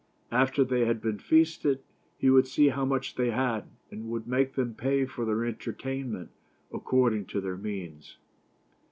After they had been feasted he would see how much they had, and would make them pay for their entertainment according to their means.